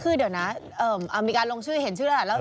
คือเดี๋ยวนะอัมริการลงชื่อเห็นชื่อแล้ว